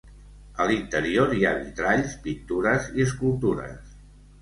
A l'interior hi ha vitralls, pintures i escultures.